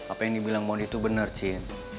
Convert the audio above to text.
apa yang dibilang mon itu benar jin